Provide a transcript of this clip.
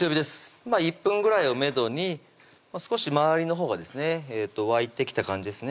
１分ぐらいをめどに少し周りのほうがですね沸いてきた感じですね